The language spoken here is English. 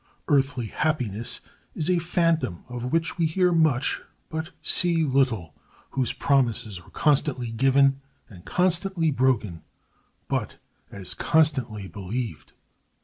Earthly happiness is a phantom of which we hear much, but see little, whose promises are constantly given and constantly broken, but as constantly believed.